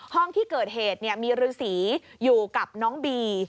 ห้องที่เกิดเหตุมีฤษีอยู่กับน้องบี